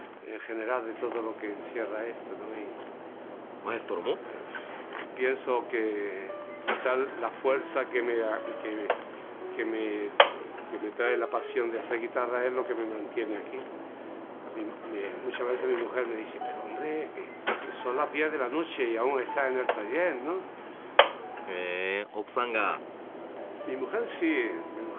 マエストロも？へ奥さんが？